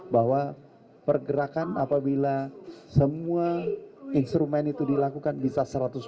bahwa pergerakan apabila semua instrumen itu dilakukan bisa satu ratus dua puluh